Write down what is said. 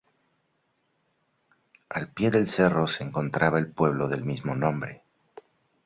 Al pie del cerro se encontraba el pueblo del mismo nombre.